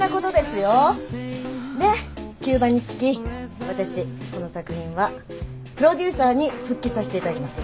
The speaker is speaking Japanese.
で急場につき私この作品はプロデューサーに復帰さしていただきます。